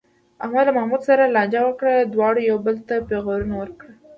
احمد له محمود سره لانجه وکړه، دواړو یو بل ته پېغورونه ورکړل.